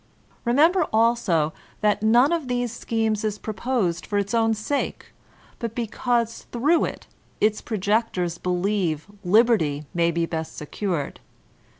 Remember, also, that none of these schemes is pro posed for its own sake, but because through it, its pro jectors believe, liberty may be best secured.